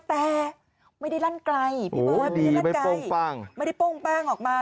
แต่ไม่ได้ลั่นไกลไม่ได้ป้องป้างไม่ได้ป้องป้างออกมา